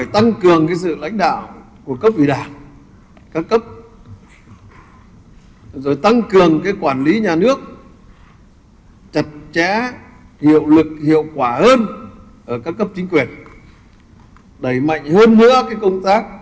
tăng cường sự lãnh đạo của cấp vị đảng các cấp rồi tăng cường quản lý nhà nước chặt chẽ hiệu lực hiệu quả hơn ở các cấp chính quyền đẩy mạnh hơn nữa công tác